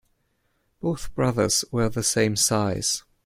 Both brothers wear the same size.